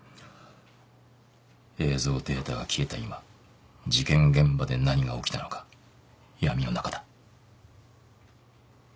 映像データが消えた今事件現場で何が起きたのか闇の中だ。